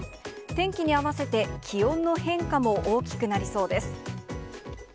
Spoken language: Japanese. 天気に合わせて、気温の変化も大きくなりそうです。